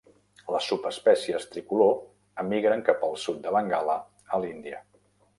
Les subespècies tricolor emigren cap al sud de Bengala a l'Índia.